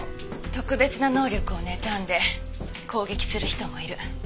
特別な能力をねたんで攻撃する人もいる。